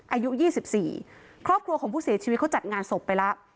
อายุ๒๔ครอบครัวของผู้เสียชีวิตเขาจัดงานศพไปแล้ว